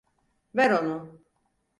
Ver onu!